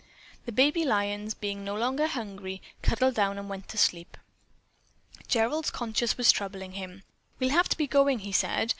The baby lions, being no longer hungry, cuddled down and went to sleep. Gerald's conscience was troubling him. "We'll have to be going," he said.